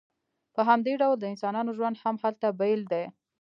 په همدې ډول د انسانانو ژوند هم هلته بیل دی